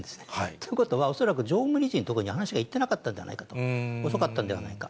ということは、恐らく常務理事のところに話が行ってなかったんじゃないかと、遅かったのではないか。